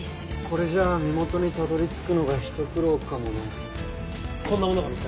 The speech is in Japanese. これじゃあ身元にたどり着くのがひと苦労かもね。